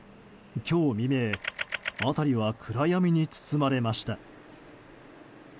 今日未明、辺りは暗闇に包まれました。